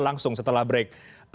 langsung setelah break